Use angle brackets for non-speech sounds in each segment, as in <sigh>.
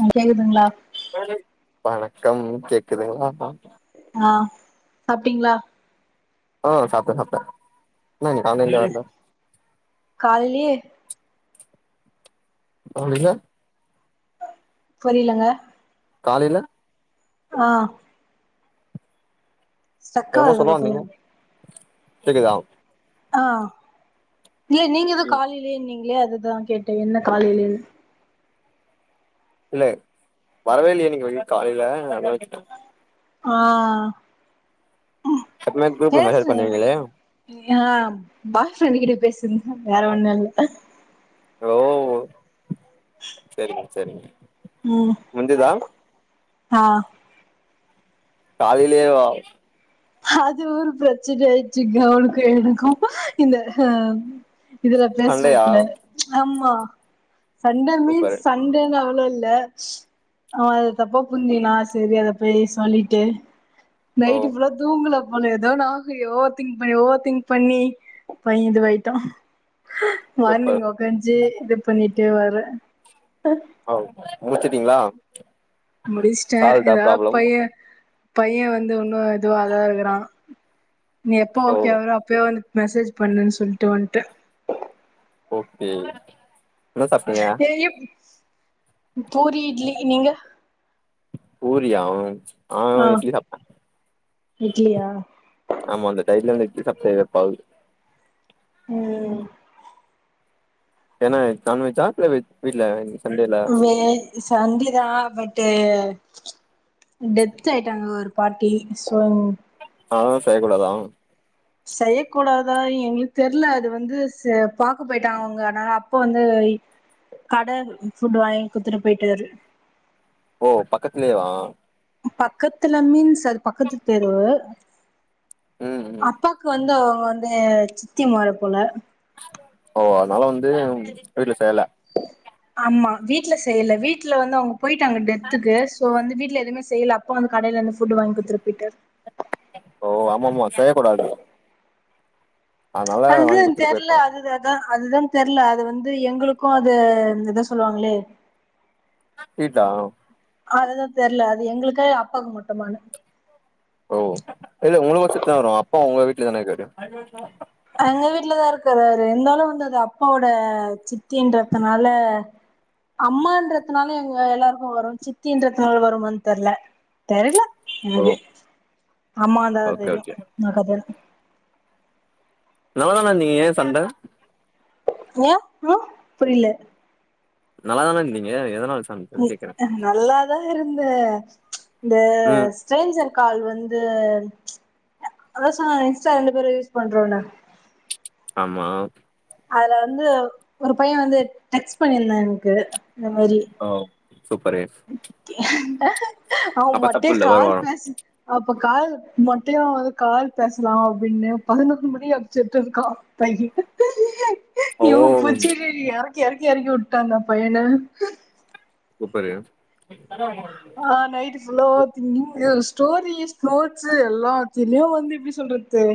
ஆ கேக்குதுங்களா வணக்கம் கேக்குதுங்களா ஆஹ் சாப்டிங்களா ஹ சாப்ட சாப்ட காலிலையே அவங் புரியலங்க காலையில ஆஹ் ஸ்டக்காது என்னமோ சொல்ல வந்தீங்க அதுக்கப்புறம் கேக்குதா ஆஹ் இல்ல நீங்க எதோ காலிலே நீங்க அதுதா கேட்ட என்ன காலலியே இல்ல வரவே இல்லயே நீக வ காலையில அதனால கேட்டே ஆஹ் எப்பவுமே குரூப்ல மெசேஜ் பேசு பண்ணுவீங்களே பாய் ஃப்ரெண்ட கிட்ட பேசு வேற ஒண்ணு இல்ல ஓ சேரி சேரிங்க முந்திதா ஆஹ் காலிலேவா அது ஒரு பிரச்சன ஆயிட்டுச்ங்க அவனுக்கு எனக்கு இந்த ஹ இதுல்ல பண்லையா பேசுறத்துல ஆமா <inaudible> சண்ட சூப்பர் மீன்ஸ் சண்டேல அவ்ளோ இல் இல்ல அவ தப்ப புரிஞ்க்கினா செரி அத போய் சொல்லிட்டு ஓ நைட்டு ஃபுல்லா ங்கல போல ஏதோ நியாபக ஓவர் திங்க் ஓவர் திங்க் பண்ணி பயந்து போயிட்டோ சூப்பர் மார்னிங் உக்காஞ்சு இது பண்ணிட்டு வர ஓ முடிச்சுடீங்களா முடிச்சிட்டே ஏதாவது பைய பைய வந்து ஒன்னு இதுவாகாதுங்கறா நீ எப்போ ஓ ஓகே அவுரியோ அப்பயோ வந்து மெசேஜ் பண்ணுனு சொல்டு வன்டே ஓகே என்ன சாப்டீங்க எப் பூரி இட்லி நீங்க புரியா ஆ ஆஹ் இட்லிதா இட்லியா ஆமாக இந்த டயட்ல நான் இட்லி சாப்டுவேன் எப்பாது ம் என்னா நான்வெஜ் ஆ இல்ல வெஜ் வீட்ல சண்டேல அவ்ளோயே சண்டிதா பட்டு் டெத் ஆயிட்டாங்க ஒரு பாட்டி சோ அதுனால செய்யக்கூடாதா செய்யக்கூடாதா எங்களுக்கு தெரியல அது வந்து ச பாக்க போயிட்டாங்க அதனால அப்ப வந்து லீ கடை ஃபுட் வாங்கி குடுதுட்டு போயிட்டாரு ஓ பக்கத்துலோ வா பக்கத்துல மீன்ஸ் அது பக்கத்து தெரு ம் ம் அப்பாக்கு வந்து அவங்க வந்து சித்தி மொற போல ஓ அதனால வந்து வீட்டுல செய்யல ஆமா வீட்டுல செய்யல வீட்டுல வந்து அவங்க போயிட்டாங்க டெத்துக்கு சோ வந்து வீட்டு எதுவும செய்யல அப்பா வந்த கடையில இருந்து ஃபுட்டு வாங்கிகுடுத்துட்டு போய்ட்டாரு ஓ ஆமா ஆமா செய்ய கூடாது அதுதான் தெரல போயிருப்பாங்க அது அதுதான் அதுதான் தெரியல அது வந்து வந்து எங்களுக்கும் அது என்ன சொல் சொல்லுவாங்களே இதா அதுதான் தெரியல அது எங்களுக்கு அப்பாக்கு மட்டுமானு ஓ இல்ல உங்கள பசத்து தா வரு அப்பா உங்க வீட்டுல தான இருக்காரு எங்க வீட்லதா இருக்காரு இருந்தாலு வந்த அது அப்பாவோட சித்தின்றதுனால அம்மான்றதுனால எங்க எல்லாருக்கு வரு சித்தன்றதுனால வருமானு தெரியல தெர்ல ஓ அது அம்மாந்தா ஓகே தெரியு ஓகே <unintelligible> எவ்ளோ நாள் நீங்க சண்ட ஏ ஆஹ புரியல நல்லாதான இருந்திங்க எதனால சண்டன்னு ம் கேக்குறே ம் நல்லாதா இருந் தே இந்த ம் ஸ்ட்ரேஞ்சர் கால் வந்து அத சொன்னன்ன இன்ஸ்டா ரெண்டு பேரு யூஸ் பண்றோன்னு ஆமா அதுல வந்து ஒரு பைய வந்து டெக்ஸ் பண்ணிருந்தா எனக்கு இந்த மேரி ஓ சூப்பரு என் அவ அப்ப மட்டே தப்பு இல்ல வரு கால் வரு பேசி அ அப்ப கால் மொட்டையா வந்து கால் பேசலா அப்டின்னு பதினொரு மணி அடிச்சுட்டு இருக்கான் பைய ஓ இயு <unintelligible> கே கேரக்கி உட்டா அந்த பையன சூப்பரு ஆஹ் நைட்டு் ஃபுல்லோ திங்கிங்கி ஸ்டோரிஸ் ஃப்லோட்ஸு எல்லா திலியு வந்து இப்புடி சொல்றது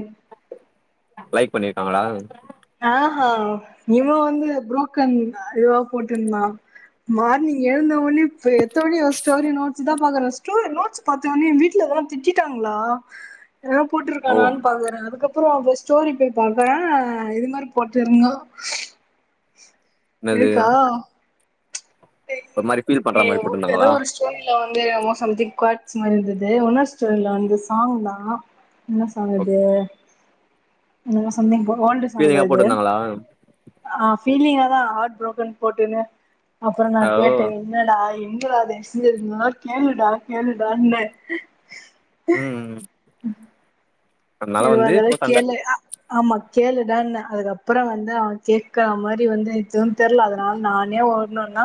லைக் பண்ணிருக்காங்ளா ஆ ஹா நீம வந்து ப்ரோ <unintelligible> இவா போட்ருந்தா மார்னிங் எழுந்த ஒன்னே எத்தோனே ஸ்டோரி நோட்ஸ் தா பாக்கறா ஸ்டோர் நோட்ஸ் பாத்தோனே எ வீட்லதா திட்டிட்டாங்ளா எதனா ஓ போட்ருக்கானானு பாக்றே அதுக்கப்றோ <unintelligible> ஸ்டோரி போய் பாக்கற இது மாரி போட்டுருந்தா என்னது இருக்கா ஒரு மாரி ஃபீல் பண்ற மாரி <unintelligible> எதோ போட்ருந்தாங்களா ஒரு ஸ்டோரில வந் <unintelligible> சம்திங் கோட்ஸ் மாரிருந்தது <unintelligible> சாங் தா என்ன ஓகே சாங்கது என்னமோ சம்திங் போ ஓல்டு சாங்கு பீலிங்கா அது போட்ருந்தாங்களா ஆ பீலிங்கா தா ஹார்ட் ப்ரோக்கன் போட்டுன்னு அப்பற நா ஓ கேட்டே என்னடா என் தயவ்செஞ்சு எத்னா கேளுடா கேளுடா ன்ன ம் அதனால வந்து எதுவார்ந்தாலு இப்போ சண்ட கேளு அ ஆமா கேளுடான்ன அதுக்கப்பற வந்து அவ கேக்கற மாரி வந்து எதுவும் தெர்ல அதனால் நானே ஒன்னொன்னா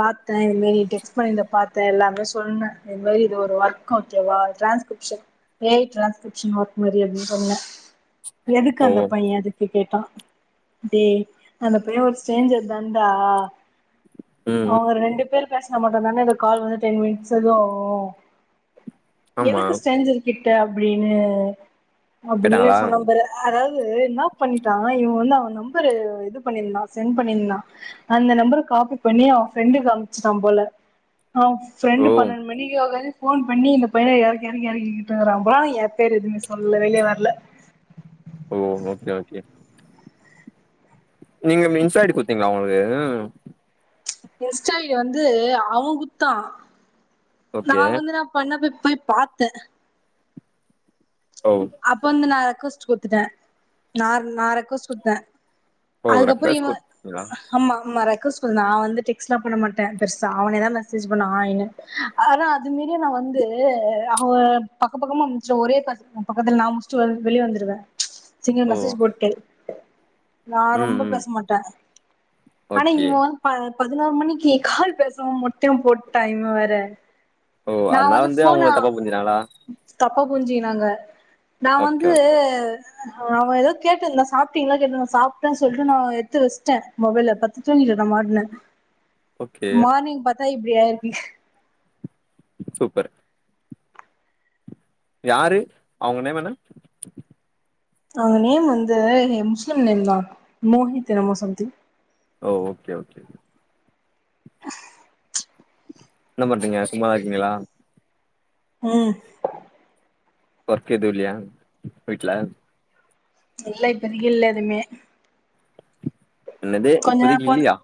பாத்த இதுமேரி டெக்ஸ்ட் பண்ணி பாத்த எல்லாமே சொன்ன இது மாரி இது ஒரு வொர்க்கா தேவா ட்ரான்ஸ்கிரிப்ஷன் எயிட் ட்ரான்ஸ்கிரிப்ஷன் வொ மரியன் சொன்ன எதுக்கு ஓ அந்த பைய எதுக்கு கேட்டா டே அந்த பெய ஒரு ஸ்ட்ரேஞ்சர் தான்டா ம் ம் அவங்க ரெண்டு பேரு பேஸ்னா மட்டுதாங்க இந்த கால் வந்து டென் மினிட்ஸ் இதுவாகு ஆமா எதுக்கு ஸ்ட்ரேஞ்சர் கி க அப்டின்னு அப்பிடியே கேட்டாங்களா சொன்னம் பாரு அதா ன்னா பண்ணிட்டா இவ் வந்து அவ நம்பரு இதுபண்ணிந்தா சென்ட் பண்ணிர்ந்தா அந்த நம்பரு காபி பண்ணி அவ ஃப்ரெண்டுக்கு அம்ச்சுட்டாம் போல அவ ஃப்ரெண்டு ஓ பன்னெண்டு மணிக்கு ஒக்காந்து போன் பண்ணி இந்த பையன் எறக்கி எறக்கி எறகிக்கிட்ருக்குறாம்பா எ பேர் எதுமே சொல்ல வெளிய வர்ல ஓ ஓகே ஓகே நீங்க மின்சாய்டு குத்தீங்ளா அவ்வுங்கள்க்கு எஸ்டாய் வந்து அவங்குத்தா நா ஓகே வந்துன்ன பண்ண பி போய் பார்த்தேன் ஓ அப்ப வந்து ந ரெக்வெஸ்ட் குத்துட்டேன் ந நான் ரெக்வெஸ்ட் குடுத்தன் ஓ அதுக்கப்புறம் ரெக்வஸ்ட் இவ குடுத்தீங்களா ஆமா ஆமா ரெக்வஸ்ட் வந்தது வந்தது நான் எல்லாம் டெக்ஸ்ட் எல்லாம் பண்ண மாட்டேன் பெருசா அவனே தான் மெசேஜ் பண்ணா ஹாய்னு ஆனா அத மீறியும் நான் வந்து அவன் பக்கம் பக்கமா அனுப்பிச்ச ஒரே பக்கத்துல நான் முஸிட்டு வெளிய வந்துடுவேன் சிங்க ஓ மெசேஷ் போட்ட டோ நான் ம் ரொம்ப ம் பேச மாட்டேன் ஆனா ஓகே இவ வந்து பதினோரு மணிக்குக்கால் பேசவும் மட்டும் போட்டு டைம் இவன் வேற ஓ நா அதனால வந்து அவங்க தப்பா புரிஞ்சிடாங்களா தப்ப புரிஞ்ஜிகினாக நா வந்து ஓகே அவ ஏதோ கேட்டு இருந்தா சாப்டீங்களா கேட்டு இருந்த சாப் பிட்ட சொல்லட்டு நா எத்து வ ச்சிட்ட மொபைல்ல படுத்து தூங்கிட்ட நா பாட்டுனு ஓகே மார்னிங் பாத் பார்த்தா இப்படி ஆகி இருக்கு சூப்பர் யாரு அவங்க நேம் என்ன அங்க நேம் வந்து முஸ்லிம் நேம் தான் மோஹித் என்னமோ சம்திங் ஓகே ஓகே என்ன பண்றீங்க சும்மாதா இருக்கீங்களா உம் ஒர்க் ஏதும் இல்லையா வீட்ல இல்ல இப்பதைக்கு இல்ல எதுவுமே என்னது இப்பதைக்கு போன இல்லையா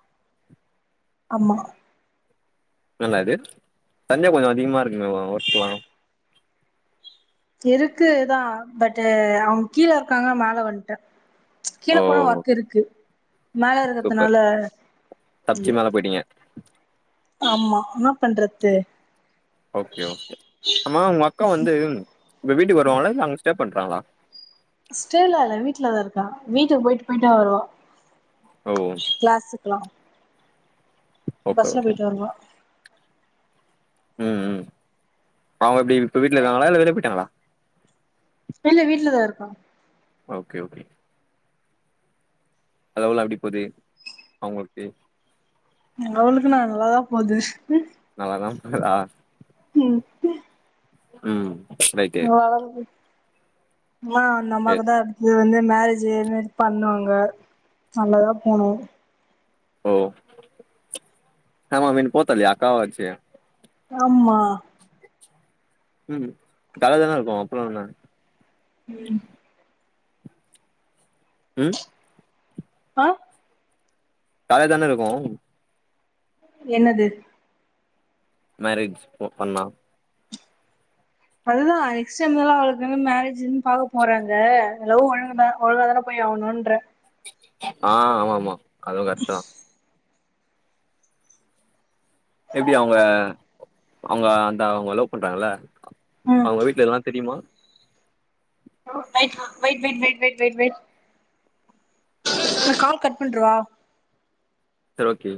ஆமா என்னது சண்டே கொஞ்ச அதிகமா இருக்கு மே ஒர்க்கலா இருக்குதா பட் அவங்க கீழே இருக்காங்க மேல வந்துட்ட கீழ ஓ போன ஒர்க்க இருக்கு மேல சூப்பர் இருக்கதுனால தப்ச்சி இல்ல மேல போயிட்டீங்க ஆமா என்ன பண்றது ஓகே ஓகே ஆமா உங்க அக்கா வந்து இப்போ வீட்டுக்கு வருவாங்களங்க இல்ல அங்க ஸ் டே பண்றங்களா ஸ்டேலா இல்ல வீட்லதா இருக்கா வீட்டுக்கு போயிட்டு போயிட்டு வருவா ஓ கிளாசுக்லா ஓகே பஸ்ல ஓகே போயிட்டு வருவா ம் ம் அவுங்க எப்டி இப்ப வீட்ல இருக்காங்ளா இல்ல வெளில போயிட்டாங்ளா இல்ல வீட்லதா இருக்கோ ஓகே ஓகே வேலெல்லா எப்படி போகுது அவுங்களுக்கு அவளுக்கு என்ன நல்லாதா போது நல்லாதா போதா ம் ம் ரைட்டு வாவுது ஆனா எ அந்தம்மாக்குதா அடுத்தது வந்து மேரேஜு இந் மாரி பண்ணாங்க நல்லா தா போனோ ஓ ஆமா <unintelligible> அக்காவாச்சே ஆமா உம் காலியா தான இருக்கு அப்றோ என்ன உம் உம் ஆஹ் காலியா தான இருக்கு என்னது மேரேஜ் பொ பண்ணா அது தா நெக்ஸ்ட் இர்ந்து தா அவளுக்கு வந்து மேரேஜ்ஜு இர்ந் பாக்க போறாங்க <unintelligible> ஒழுங்கு தா ஒழுங்காதானே போய் ஆகணுன்ற ஆஹ் ஆமா ஆமா அதுவு கஷ்டோ எப்டி அவங்க அவங்க அந்த அவங்க லவ் பண்றாங்கல்ல ம் அவங்க வீட்ல இதுல்லா தெரியுமா <inaudible> wait wait wait wait wait wait நா கால் கட் பண்றுவா சரி ஓகே